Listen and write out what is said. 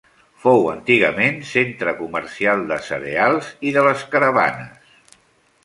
Fou antigament centre comercial de cereals i de les caravanes.